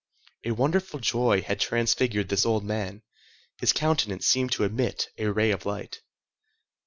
A wonderful joy had transfigured this old man. His countenance seemed to emit a ray of light.